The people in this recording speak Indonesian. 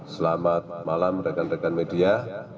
selamat malam rekan rekan media